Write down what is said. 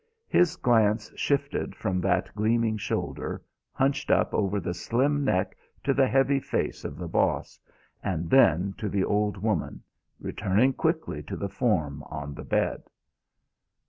His glance shifted from that gleaming shoulder hunched up over the slim neck to the heavy face of the Boss and then to the old woman, returning quickly to the form on the bed.